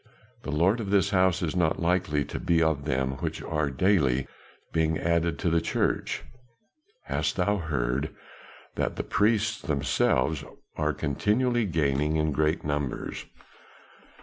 The lord of this house is not likely to be of them which are daily being added to the church. Hast thou heard that of the priests themselves we are continually gaining in great numbers?